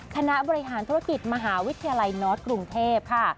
คณะบริหารธุรกิจมหาวิทยาลัยนอร์สกรุงเทพค่ะ